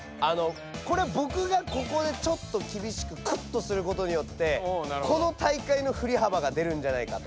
これはぼくがここでちょっときびしくクッとすることによってこの大会のふりはばが出るんじゃないかと。